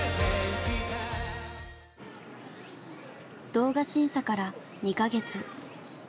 動画審査から２か月。